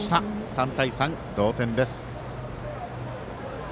３対３、同点です。